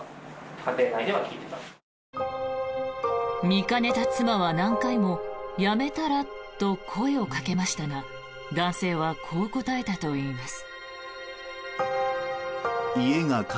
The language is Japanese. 見かねた妻は、何回も辞めたら？と声をかけましたが男性はこう答えたといいます。